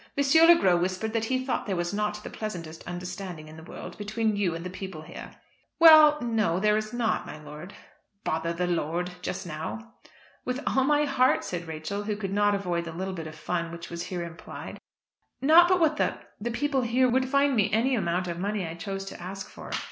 Le Gros whispered that he thought there was not the pleasantest understanding in the world between you and the people here." "Well, no; there is not, my lord." "Bother the lord, just now." "With all my heart," said Rachel, who could not avoid the little bit of fun which was here implied. "Not but what the the people here would find me any amount of money I chose to ask for.